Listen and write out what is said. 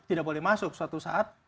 tidak boleh masuk suatu saat